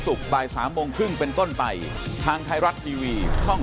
บ่าย๓โมงครึ่งเป็นต้นไปทางไทยรัฐทีวีช่อง